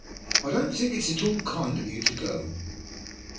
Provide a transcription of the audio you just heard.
I don't think it is at all kind of you to go."